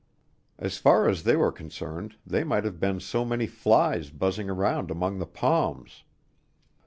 As far as they were concerned they might have been so many flies buzzing round among the palms.